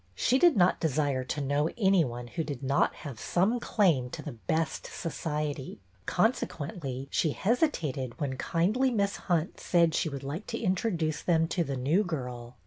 She did not desire to know any one who did not have some claim to the '' best society," consequently she hesitated when kindly Miss Hunt said she would like to introduce them to the new girl.